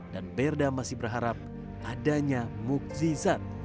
dan berda masih berharap adanya mukjizat